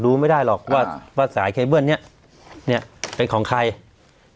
ไม่ได้หรอกว่าว่าสายเคเบิ้ลเนี้ยเนี้ยเป็นของใคร